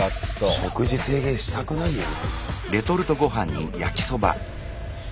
食事制限したくないよな。